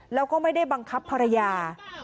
แล้วก็ไม่ได้บังคับภรรยา